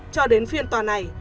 cho đến phiên tòa này